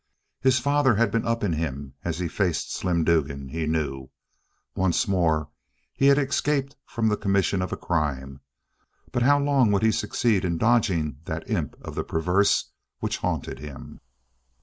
His father had been up in him as he faced Slim Dugan, he knew. Once more he had escaped from the commission of a crime. But for how long would he succeed in dodging that imp of the perverse which haunted him?